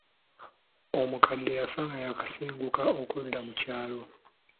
Omukadde yafa nga yaakasenguka okudda mu kyalo.